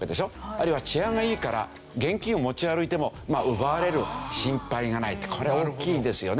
あるいは治安がいいから現金を持ち歩いても奪われる心配がないってこれは大きいですよね。